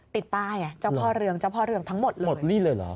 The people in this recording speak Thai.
ติดป้ายเจ้าพ่อเรืองทั้งหมดหมดนี่เลยเหรอ